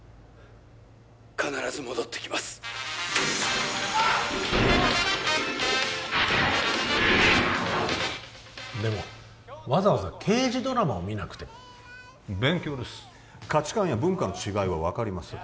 必ず戻ってきますでもわざわざ刑事ドラマを見なくても勉強です価値観や文化の違いは分かります